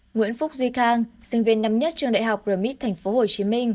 nguyễn phúc duy khang sinh viên năm nhất trường đại học rmit tp hcm